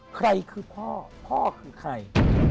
ใครคือพ่อพ่อคือใคร